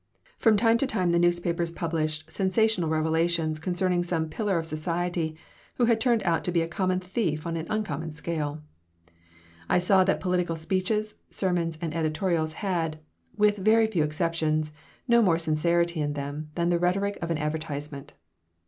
From time to time the newspapers published sensational revelations concerning some pillar of society who had turned out to be a common thief on an uncommon scale. I saw that political speeches, sermons, and editorials had, with very few exceptions, no more sincerity in them than the rhetoric of an advertisement.